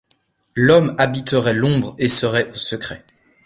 L’homme habiterait l’ombre et serait au secret !